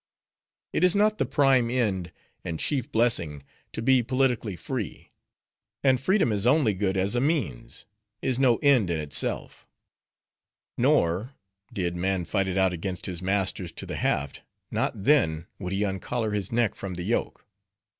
"It is not the prime end, and chief blessing, to be politically free. And freedom is only good as a means; is no end in itself Nor, did man fight it out against his masters to the haft, not then, would he uncollar his neck from the yoke.